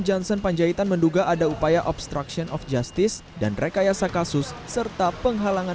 johnson panjaitan menduga ada upaya obstruction of justice dan rekayasa kasus serta penghalangan